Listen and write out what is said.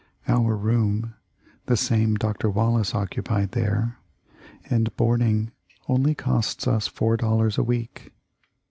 Our room (the same Dr. Wallace occupied there) and boarding only costs us four dollars a week."